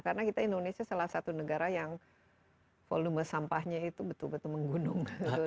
karena kita indonesia salah satu negara yang volume sampahnya itu betul betul menggunung